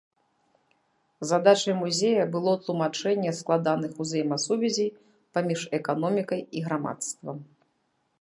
Задачай музея было тлумачэнне складаных узаемасувязей паміж эканомікай і грамадствам.